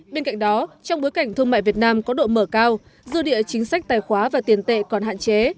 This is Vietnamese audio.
bên cạnh đó trong bối cảnh thương mại việt nam có độ mở cao dư địa chính sách tài khoá và tiền tệ còn hạn chế